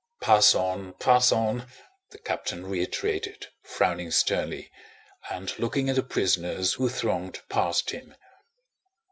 "Pass on, pass on!" the captain reiterated, frowning sternly, and looking at the prisoners who thronged past him.